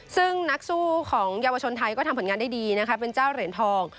ซึ่งนักสู้ของเยาวชนไทยก็ทำผลงานได้ดีนะคะเป็นเจ้าเหรียญทอง